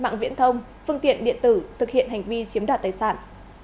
mạng viễn thông phương tiện điện tử thực hiện hành vi chiếm đoạt tài sản